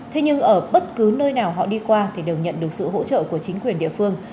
thế nhưng ở bất cứ nơi nào họ đi qua thì đều nhận được sự hỗ trợ của chính quyền địa phương